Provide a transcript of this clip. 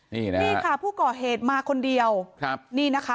นี่นะนี่ค่ะผู้ก่อเหตุมาคนเดียวครับนี่นะคะ